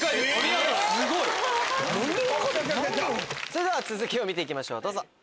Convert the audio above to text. それでは続きを見て行きましょうどうぞ。